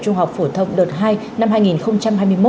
trung học phổ thông đợt hai năm hai nghìn hai mươi một